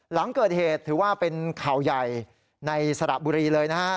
หลังเกิดเหตุถือว่าเป็นข่าวใหญ่ในสระบุรีเลยนะฮะ